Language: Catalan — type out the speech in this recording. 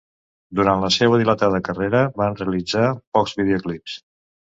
Durant la seua dilatada carrera van realitzar pocs videoclips.